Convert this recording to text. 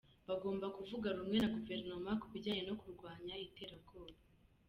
Bagomba kuvuga rumwe na guverinoma ku bijyanye no kurwanya iterabwoba.